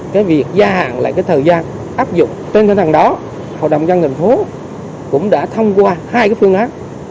cái việc gia hạn lại cái thời gian áp dụng trên thân hàng đó hội đồng dân thành phố cũng đã thông qua hai cái phương án